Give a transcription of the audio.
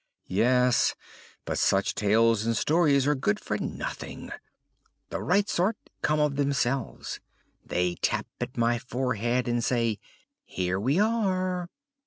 "Yes, but such tales and stories are good for nothing. The right sort come of themselves; they tap at my forehead and say, 'Here we are.'"